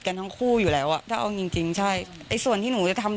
กันทั้งคู่อยู่แล้วอ่ะถ้าเอาจริงจริงใช่ไอ้ส่วนที่หนูจะทำ